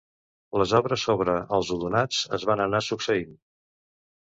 Les obres sobre els odonats es van anar succeint.